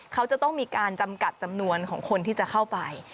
เขาจะต้องมีการจำกัดจำนวนของคนที่จะเข้าไป